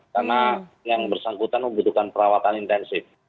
karena yang bersangkutan membutuhkan perawatan intensif